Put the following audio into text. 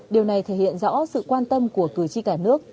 điều này thể hiện rõ sự quan tâm của cử tri cả nước